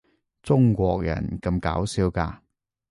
中國人咁搞笑㗎